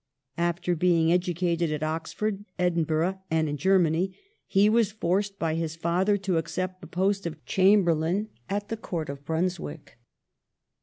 After being educated at Oxford, Edinburgh, and in Germany, he was forced by his father to accept the post of Cham berlain at the Court of Brunswick.